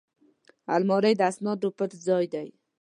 الماري د اسنادو پټ ځای دی